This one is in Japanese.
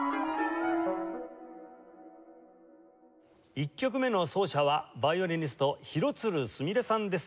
１曲目の奏者はヴァイオリニスト廣津留すみれさんです。